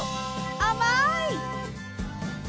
甘い！